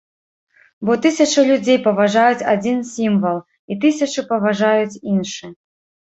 Бо тысячы людзей паважаюць адзін сімвал, і тысячы паважаюць іншы.